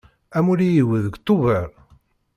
Amulli-iw deg Tuber.